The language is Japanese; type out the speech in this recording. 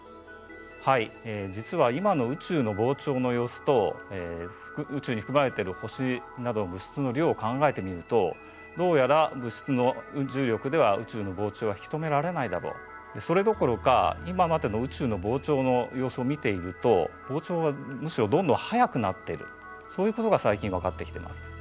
はい実は今の宇宙の膨張の様子と宇宙に含まれてる星などの物質の量を考えてみるとどうやら物質の重力では宇宙の膨張は引き止められないだろうそれどころか今までの宇宙の膨張の様子を見ていると膨張はむしろどんどん速くなっているそういうことが最近分かってきています。